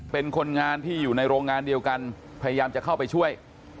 เป็นคนงานที่อยู่ในโรงงานเดียวกันพยายามจะเข้าไปช่วย